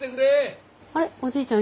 あれおじいちゃん